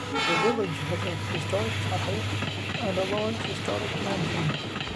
The village has a historic chapel, and a large historic mansion.